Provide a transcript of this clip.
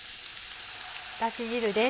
だし汁です。